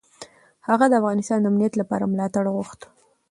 هغه د افغانستان د امنیت لپاره ملاتړ غوښت.